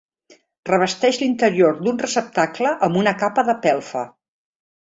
Revesteix l'interior d'un receptacle amb una capa de pelfa.